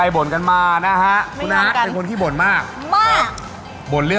โชคความแม่นแทนนุ่มในศึกที่๒กันแล้วล่ะครับ